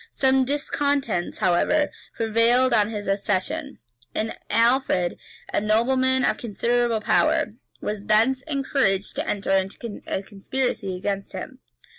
Some discontents, however, prevailed on his accession; and Alfred, a nobleman of considerable power, was thence encouraged to enter into a conspiracy against him.